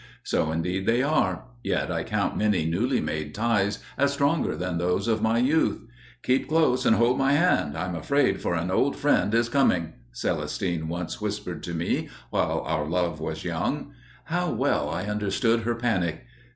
So indeed they are, yet I count many newly made ties as stronger than those of my youth. "Keep close and hold my hand; I am afraid, for an old friend is coming!" Celestine once whispered to me while our love was young. How well I understood her panic!